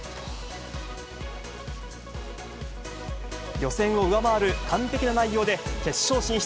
予選を上回る完璧な内容で、決勝進出。